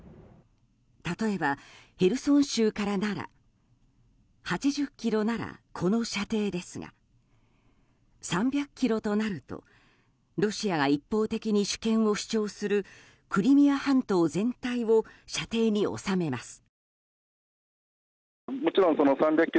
例えば、ヘルソン州からなら８０ｋｍならこの射程ですが３００ｋｍとなるとロシアが一方的に主権を主張するクリミア半島全体を射程に収めます。